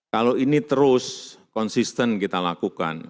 kalau ini terus konsisten kita lakukan